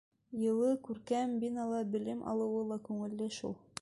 Йылы, күркәм бинала белем алыуы ла күңелле шул.